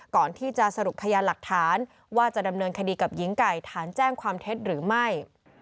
ก่อนที่จะสรุปพยานหลักฐานว่าจะดำเนินคดีกับหญิงไก่ฐานแจ้งความเท็จหรือไม่